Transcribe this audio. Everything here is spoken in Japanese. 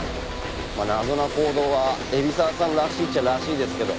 まあ謎な行動は海老沢さんらしいっちゃらしいですけど。